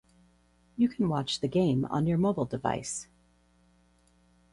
You can watch the game on your mobile device.